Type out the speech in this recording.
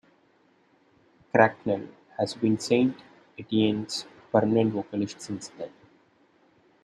Cracknell has been Saint Etienne's permanent vocalist since then.